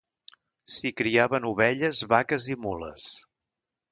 S'hi criaven ovelles, vaques i mules.